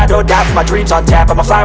dadah dadah kak juhan